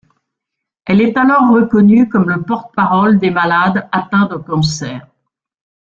Elle est alors reconnue comme le porte-parole des malades atteints de cancer.